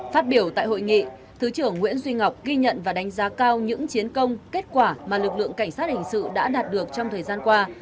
phát biểu tại hội nghị thứ trưởng nguyễn duy ngọc ghi nhận và đánh giá cao những chiến công kết quả mà lực lượng cảnh sát hình sự đã đạt được trong thời gian qua